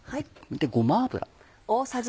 ごま油。